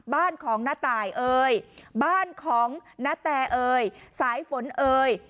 บ้านของน้าตายเอ่ยบ้านของนาแตเอ่ยสายฝนเอ่ย